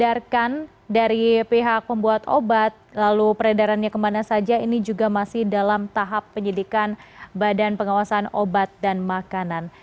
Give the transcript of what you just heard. biarkan dari pihak pembuat obat lalu peredarannya kemana saja ini juga masih dalam tahap penyidikan badan pengawasan obat dan makanan